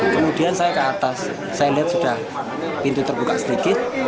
kemudian saya ke atas saya lihat sudah pintu terbuka sedikit